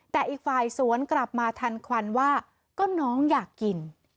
แต่อีกฝ่ายสวนกลับมาทันควันว่าก็น้องอยากกิน